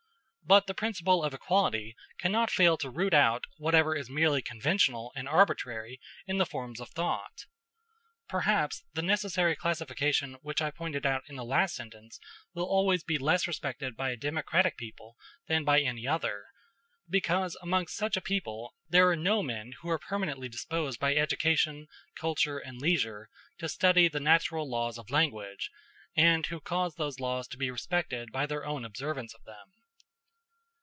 But the principle of equality cannot fail to root out whatever is merely conventional and arbitrary in the forms of thought. Perhaps the necessary classification which I pointed out in the last sentence will always be less respected by a democratic people than by any other, because amongst such a people there are no men who are permanently disposed by education, culture, and leisure to study the natural laws of language, and who cause those laws to be respected by their own observance of them.